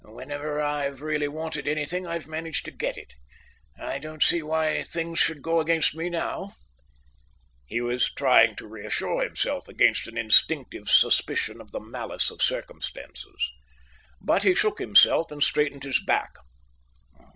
"Whenever I've really wanted anything, I've managed to get it. I don't see why things should go against me now." He was trying to reassure himself against an instinctive suspicion of the malice of circumstances. But he shook himself and straightened his back.